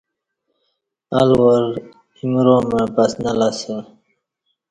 الوار ایمرامع پسنہ لہ اسہ